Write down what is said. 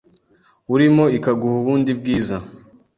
urimo ikaguha ubundi bwiza.